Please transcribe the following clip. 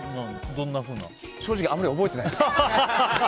正直あんまり覚えてないです。